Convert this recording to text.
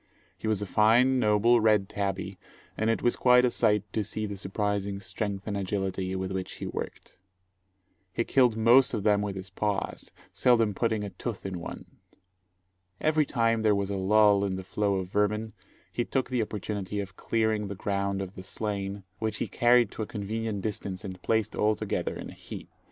He was a fine, noble, red tabby, and it was quite a sight to see the surprising strength and agility with which he worked. He killed most of them with his paws, seldom putting a tooth in one. Every time there was a lull in the flow of vermin, he took the opportunity of clearing the ground of the slain, which he carried to a convenient distance and placed all together in a heap.